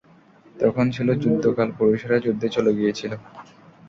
তখন ছিল যুদ্ধকাল, পুরুষেরা যুদ্ধে চলে গিয়েছিল।